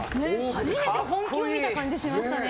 初めて本気を見た感じしましたね。